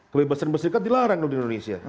kebebasan berserikat dilarang di indonesia